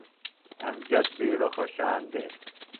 امجد بِیڈو خوشان دےۡ۔